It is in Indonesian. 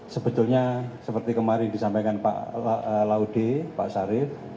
sebetulnya seperti kemarin disampaikan pak laude pak sarif